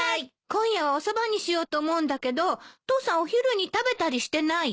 今夜はおそばにしようと思うんだけど父さんお昼に食べたりしてない？